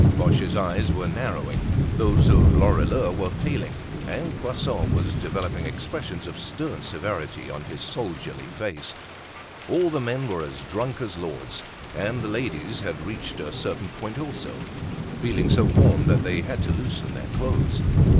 Boche's eyes were narrowing, those of Lorilleux were paling, and Poisson was developing expressions of stern severity on his soldierly face. All the men were as drunk as lords and the ladies had reached a certain point also, feeling so warm that they had to loosen their clothes.